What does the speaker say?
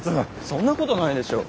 そんなことないでしょ。